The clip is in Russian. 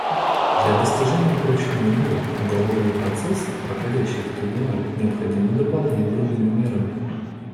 Для достижения прочного мира уголовные процессы, проходящие в Трибунале, необходимо дополнять другими мерами.